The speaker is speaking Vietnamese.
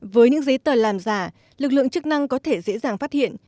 với những giấy tờ làm giả lực lượng chức năng có thể dễ dàng phát hiện